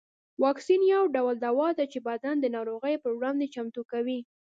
واکسین یو ډول دوا ده چې بدن د ناروغیو پر وړاندې چمتو کوي